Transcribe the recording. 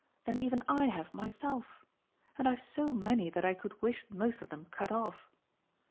than even I have myself, and I've so many that I could wish most of them cut off.